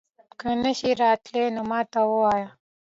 که نه شې راتلی نو ما ته ووايه